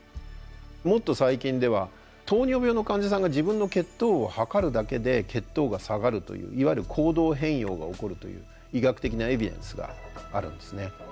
もっと最近では糖尿病の患者さんが自分の血糖を測るだけで血糖が下がるといういわゆる行動変容が起こるという医学的なエビデンスがあるんですね。